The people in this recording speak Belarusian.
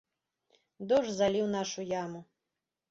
Дождж заліў нашу яму.